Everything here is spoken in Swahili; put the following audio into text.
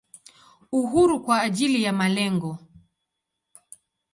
Uhuru kwa ajili ya malengo.